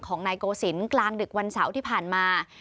นายโกศิลป์กลางดึกวันเสาร์ที่ผ่านมา